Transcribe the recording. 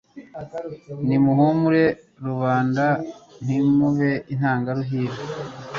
Nimuhumure Rubanda ntimube intangaruhira